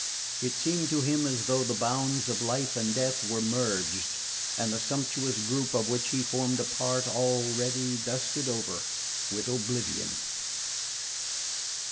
it seemed to him as though the bounds of life and death were merged, and the sumptuous group of which he formed a part already dusted over with oblivion.